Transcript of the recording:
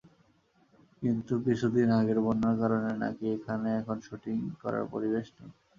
কিন্তু কিছুদিন আগের বন্যার কারণে নাকি সেখানে এখন শুটিং করার পরিবেশ নেই।